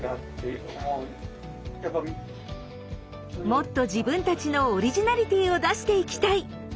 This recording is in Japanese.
もっと自分たちのオリジナリティーを出していきたい！